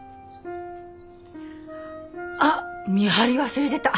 あっ見張り忘れてた。